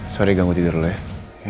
sorry ganggu tidur lo ya